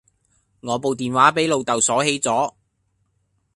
我部電話俾老竇鎖起咗